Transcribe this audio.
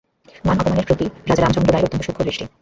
মান অপমানের প্রতি রাজা রামচন্দ্র রায়ের অত্যন্ত সূক্ষ্ম দৃষ্টি।